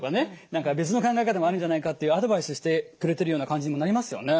「何か別の考え方もあるんじゃないか」というアドバイスしてくれてるような感じにもなりますよね。